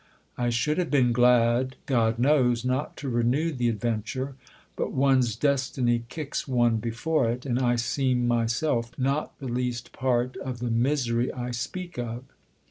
I should have been glad, God knows, not to renew the adven ture, but one's destiny kicks one before it, and I seem myself not the least part of the misery I speak of.